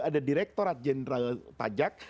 ada direktorat jenderal pajak